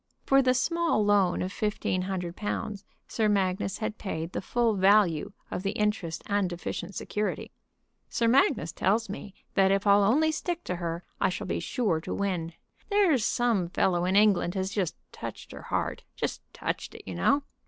For the small loan of fifteen hundred pounds Sir Magnus paid the full value of the interest and deficient security. "Sir Magnus tells me that if I'll only stick to her I shall be sure to win. There's some fellow in England has just touched her heart, just touched it, you know."